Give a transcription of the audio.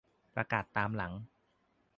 ประกาศตามหลัง